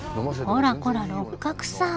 こらこら六角さん！